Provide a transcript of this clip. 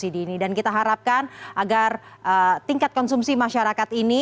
dan kita harapkan agar tingkat konsumsi masyarakat ini